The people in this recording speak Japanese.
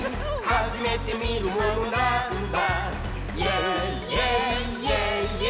「はじめてみるものなぁーんだ？」